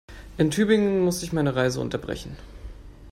In Tübingen musste ich meine Reise unterbrechen